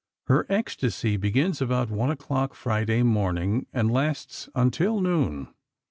Her ecstasy begins about one o'clock Friday morning, and lasts until noon.